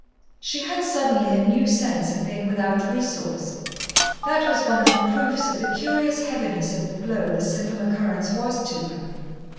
She had suddenly a new sense of being without resource. That was one of the proofs of the curious heaviness of the blow the simple occurrence was to her.